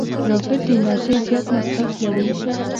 راکټ د انرژۍ زیات مصرف لري